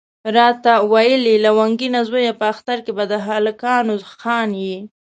راته ویل یې لونګینه زویه په اختر کې به د هلکانو خان یې.